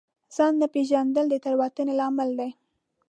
ځان نه پېژندل د تېروتنې لامل دی.